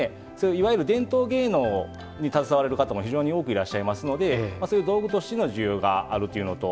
いわゆる伝統芸能に携わる方が非常に多いですのでそういう道具としての需要がある。